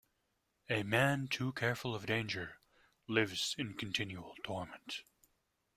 A man too careful of danger lives in continual torment.